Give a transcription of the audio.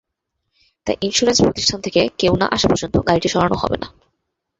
তাই ইনস্যুরেন্স প্রতিষ্ঠান থেকে কেউ না আসা পর্যন্ত গাড়িটি সরানো হবে না।